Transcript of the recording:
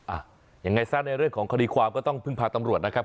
อ่ะยังไงซะในเรื่องของคดีความก็ต้องพึ่งพาตำรวจนะครับ